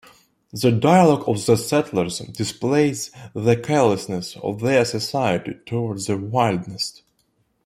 The dialogue of the settlers displays the carelessness of their society towards the wilderness.